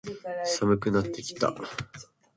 寒くなってきた。